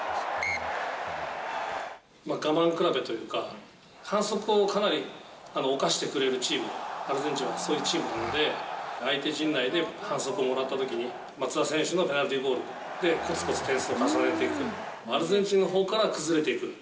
我慢比べというか、反則をかなりおかしてくれるチーム、アルゼンチンはそういうチームなので、相手陣内で反則をもらったときに、松田選手のペナルティゴールで、こつこつ点数を重ねていく、アルゼンチンのほうから崩れていく。